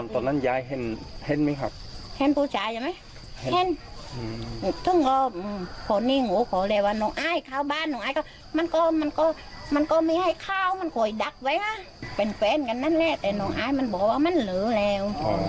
แต่น้องอายมันบอกว่ามันเหลือแล้ว